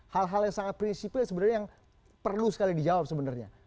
hal hal yang sangat prinsipil sebenarnya yang perlu sekali dijawab sebenarnya